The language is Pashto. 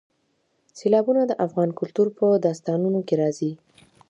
سیلابونه د افغان کلتور په داستانونو کې راځي.